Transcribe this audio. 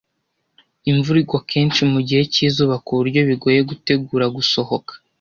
Imvura igwa kenshi mugihe cyizuba kuburyo bigoye gutegura gusohoka.